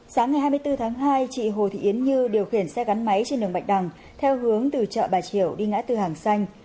sáng ngày hai mươi bốn tháng hai chị hồ thị yến như điều khiển xe gắn máy trên đường bạch đằng theo hướng từ chợ bà triều đi ngã tư hàng xanh